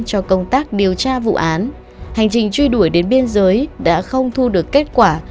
cho công tác điều tra vụ án hành trình truy đuổi đến biên giới đã không thu được kết quả